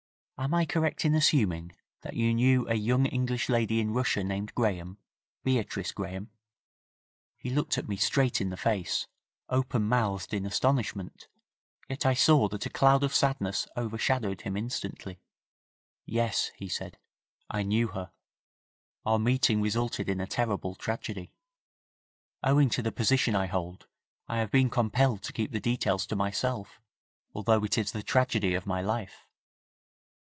'Am I correct in assuming that you knew a young English lady in Russia named Graham Beatrice Graham?' He looked me straight in the face, open mouthed in astonishment, yet I saw that a cloud of sadness overshadowed him instantly. 'Yes,' he said. 'I knew her. Our meeting resulted in a terrible tragedy. Owing to the position I hold I have been compelled to keep the details to myself although it is the tragedy of my life.'